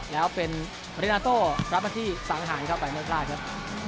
แล้วเป็นเมรินาโตร์รับมาที่สามอาหารครับแต่ไม่พลาดครับ